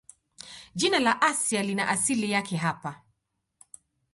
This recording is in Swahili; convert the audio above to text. Jina la Asia lina asili yake hapa.